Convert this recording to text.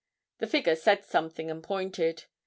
The figure said something and pointed.